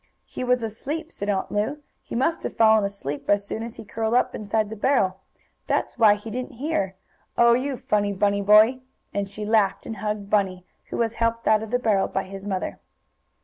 "He was asleep," said Aunt Lu. "He must have fallen asleep as soon as he curled up inside the barrel. That's why he didn't hear. Oh, you funny Bunny boy!" and she laughed and hugged Bunny, who was helped out of the barrel by his mother.